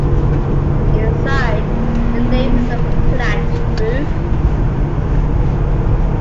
Inside, the nave has a flat roof.